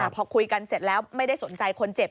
พอคุยกันเสร็จแล้วไม่ได้สนใจคนเจ็บ